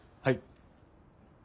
はい。